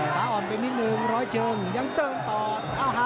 อ่อนไปนิดนึงร้อยเชิงยังเติมต่อ